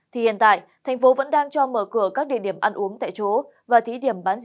thì hiện tại tp hcm vẫn đang cho mở cửa các địa điểm ăn uống tại chỗ và thí điểm bán rượu bia